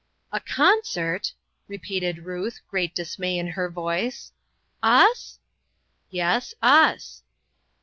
" A concert !" repeated Ruth, great dismay in her voice, " us ?" "Yes, us."